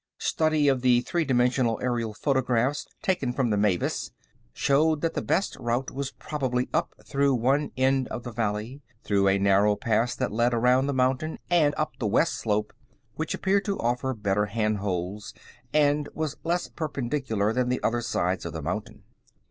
Study of the three dimensional aerial photographs taken from the Mavis showed that the best route was probably up through one end of the valley, through a narrow pass that led around the mountain, and up the west slope, which appeared to offer better handholds and was less perpendicular than the other sides of the mountain.